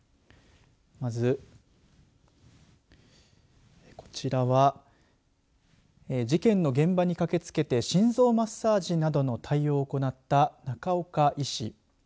まず、こちらは事件の現場に駆けつけて心臓マッサージなどの対応を行った中岡医師。